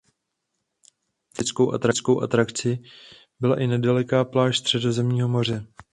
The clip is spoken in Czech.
Turistickou atrakcí byla i nedaleká pláž Středozemního moře.